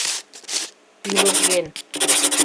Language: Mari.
Тӱлыжген